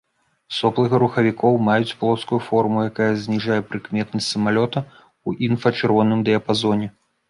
Соплы рухавікоў маюць плоскую форму, якая зніжае прыкметнасць самалёта ў інфрачырвоным дыяпазоне.